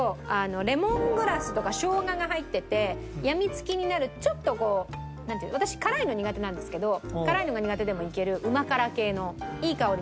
レモングラスとかショウガが入っててやみつきになるちょっとこう私辛いの苦手なんですけど辛いのが苦手でもいけるうま辛系のいい香りの。